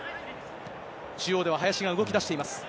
中央では林が動きだしています。